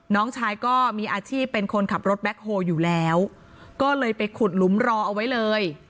น้องชายก็มีอาชีพเป็นคนขับรถแบ็คโฮลอยู่แล้วก็เลยไปขุดหลุมรอเอาไว้เลย